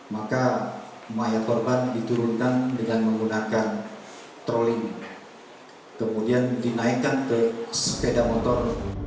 maka mayat korban diturunkan dengan menggunakan trolling kemudian dinaikkan ke sepeda motor